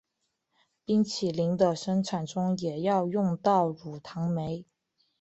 冰淇淋的生产中也要用到乳糖酶。